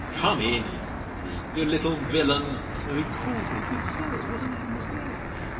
Come in, said he, you little villain!—for so he called me. (Good sirs! what a name was there!)